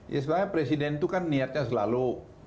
ya sebenarnya presiden itu kan niatnya selalu